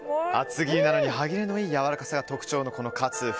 厚切りなのに歯切れのいいやわらかさが特徴のこのカツ。